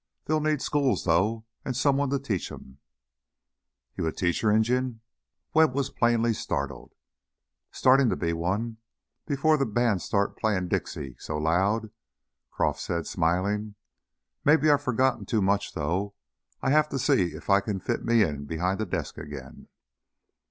They'll need schools though, and someone to teach 'em " "You a teacher, Injun?" Webb was plainly startled. "Startin' to be one, before the bands started playin' Dixie so loud," Croff said, smiling. "Maybe I've forgotten too much, though. I have to see if I can fit me in behind a desk again."